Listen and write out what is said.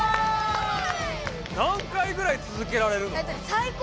何回ぐらいつづけられるの？